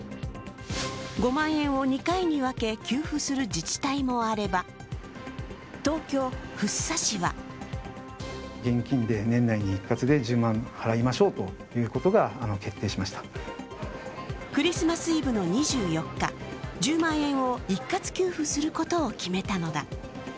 ５万円を２回に分け給付する自治体もあれば、東京・福生市はクリスマスイブの２４日、１０万円を一括給付することを決めたのだ。